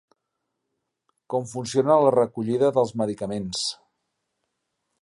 Com funciona la recollida dels medicaments.